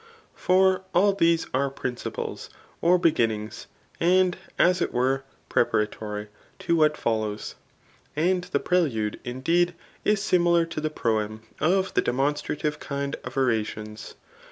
For all these are princi ples or beginnmgs, and as it were preparatory, to what follows. And the prelude, indeed, is similar to the proem of the demonstrative kind of orations.